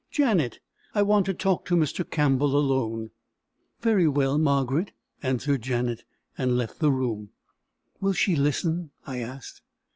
Janet, I want to talk to Mr. Campbell alone." "Very well, Margaret," answered Janet, and left the room. "Will she listen?" I asked.